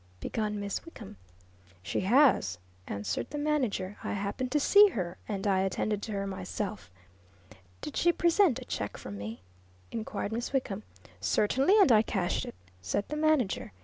begun Miss Wickham. "She has," answered the manager. "I happened to see her, and I attended to her myself." "Did she present a check from me?" inquired Miss Wickham. "Certainly and I cashed it," said the manager.